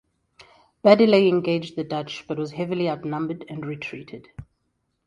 Badiley engaged the Dutch, but was heavily outnumbered and retreated.